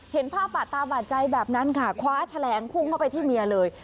เห็นภาพบาดตาบาดใจแบบนั้นค่ะคว้าแฉลงพุ่งเข้าไปที่เมียเลย